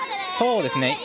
そうですね。